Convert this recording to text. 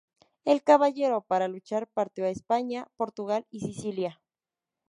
El Caballero, para luchar, partió a España, Portugal y Sicilia.